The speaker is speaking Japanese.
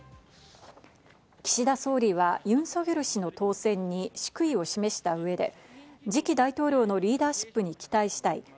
岸田総理はユン・ソギョル氏の当選に祝意を示した上で、次期大統領のリーダーシップに期待したい。